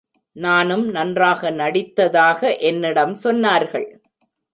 நானும் நன்றாக நடித்ததாக என்னிடம் சொன்னார்கள்.